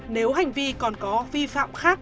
nếu hành vi còn có vi phạm khác